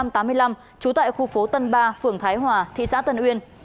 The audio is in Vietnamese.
trú tại khu phố tân ba phường thái hòa thị xã tân uyên